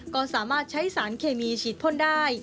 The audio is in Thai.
ก็สามารถใช้สารเคมีฉีดพ่นได้